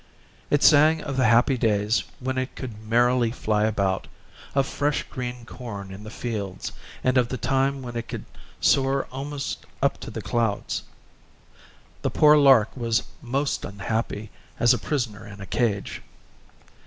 It sang of the happy days when it could merrily fly about, of fresh green corn in the fields, and of the time when it could soar almost up to the clouds. The poor lark was most unhappy as a prisoner in a cage.